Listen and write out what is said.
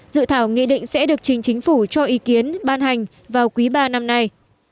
dự thảo nghị định sẽ được trình chính phủ cho ý kiến ban hành vào quý ba năm nay